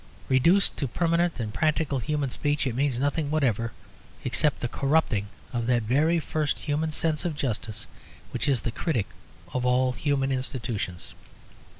Reduced to permanent and practical human speech, it means nothing whatever except the corrupting of that first human sense of justice which is the critic of all human institutions.